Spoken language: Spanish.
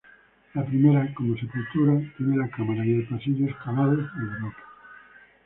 La primera, como sepultura, tiene la cámara y el pasillo excavados en la roca.